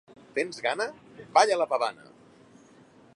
Tens gana? / —Balla la pavana!